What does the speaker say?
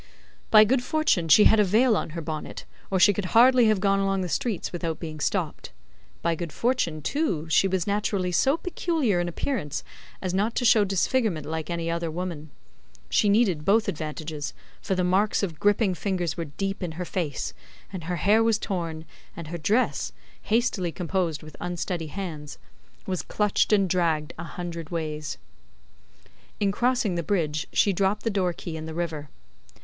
By good fortune she had a veil on her bonnet, or she could hardly have gone along the streets without being stopped. By good fortune, too, she was naturally so peculiar in appearance as not to show disfigurement like any other woman. She needed both advantages, for the marks of gripping fingers were deep in her face, and her hair was torn, and her dress (hastily composed with unsteady hands) was clutched and dragged a hundred ways. In crossing the bridge, she dropped the door key in the river.